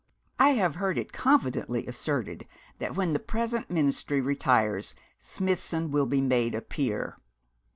I have heard it confidently asserted that when the present Ministry retires Smithson will be made a Peer.